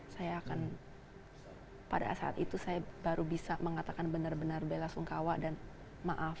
saya akan pada saat itu saya baru bisa mengatakan benar benar bela sungkawa dan maaf